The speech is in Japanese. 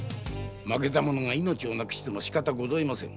負けた者が命を失ってもしかたありません。